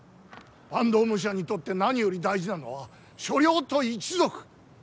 坂東武者にとって何より大事なのは所領と一族。